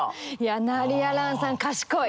ナリヤランさん賢い！